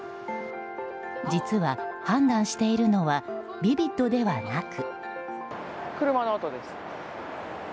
実は、判断しているのはヴィヴィッドではなく。